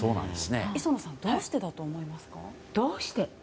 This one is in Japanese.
磯野さんどうしてだと思いますか？